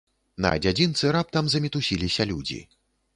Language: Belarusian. На дзядзінцы раптам замітусіліся людзі.